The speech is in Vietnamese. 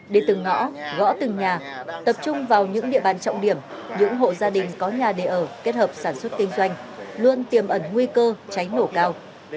đến từng ngõ gõ từng nhà tập trung vào những địa bàn trọng điểm những hộ gia đình có nhà để ở kết hợp sản xuất kinh doanh luôn tiềm ẩn nguy cơ cháy nổ cao